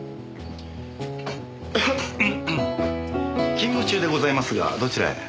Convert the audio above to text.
勤務中でございますがどちらへ？